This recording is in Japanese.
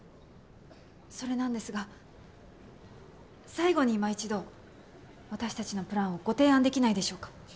それなんですが最後に今一度私たちのプランをご提案できないでしょうか？